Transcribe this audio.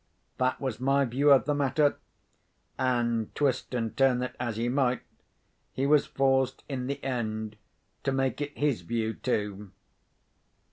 That was my view of the matter; and, twist and turn it as he might, he was forced in the end to make it his view too.